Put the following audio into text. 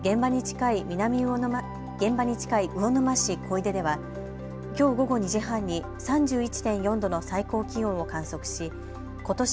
現場に近い魚沼市小出ではきょう午後２時半に３１．４度の最高気温を観測しことし